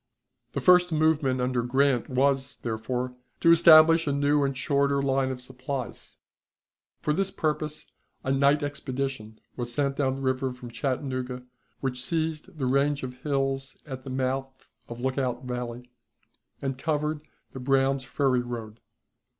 The first movement under Grant was, therefore, to establish a new and shorter line of supplies. For this purpose a night expedition was sent down the river from Chattanooga, which seized the range of hills at the mouth of Lookout Valley, and covered the Brown's Ferry road.